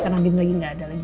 karena andin lagi gak ada lagi